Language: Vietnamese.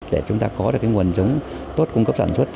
để chúng ta có được cái nguồn giống tốt cung cấp sản xuất